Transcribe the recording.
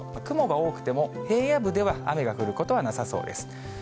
雲が多くても、平野部では雨が降ることはなさそうです。